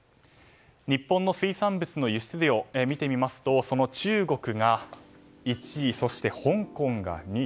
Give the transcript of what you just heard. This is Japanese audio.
日本の水産物の輸出量を見てみますと中国が１位で、香港が２位。